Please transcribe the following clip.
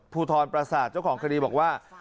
ภูทรประสาทเจ้าของคดีบอกว่า